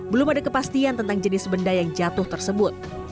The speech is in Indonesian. belum ada kepastian tentang jenis benda yang jatuh tersebut